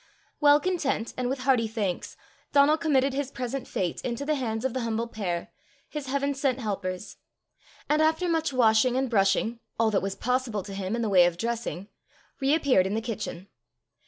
Well content, and with hearty thanks, Donal committed his present fate into the hands of the humble pair, his heaven sent helpers; and after much washing and brushing, all that was possible to him in the way of dressing, reappeared in the kitchen.